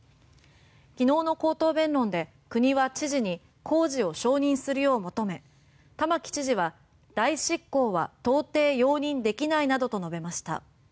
昨日の口頭弁論で国は知事に工事を承認するよう求め玉城知事は代執行は到底容認できないなどと述べました。